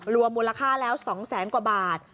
รวมมูลค่าแล้ว๒แสนกว่าบาท